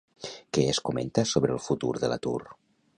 Què es comenta sobre el futur de l'atur?